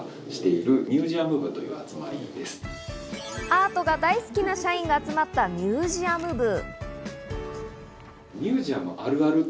アートが大好きな社員が集まったミュージアム部。